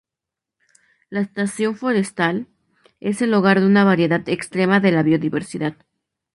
La Estación Forestal es el hogar de una variedad extrema de la biodiversidad.